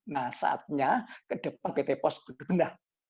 nah saatnya ke depan pt pos gerunda